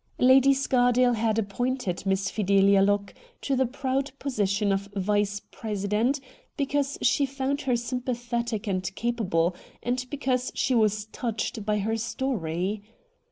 Lady Scardale had appointed Miss Fidelia Locke to the proud position of vice president because she found her sympathetic and capable, and because she was touched by her story.